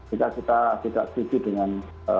jika kita tidak setuju dengan